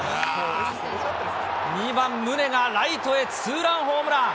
２番宗がライトへツーランホームラン。